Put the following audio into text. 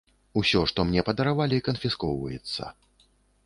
Усё, што мне падаравалі, канфіскоўваецца.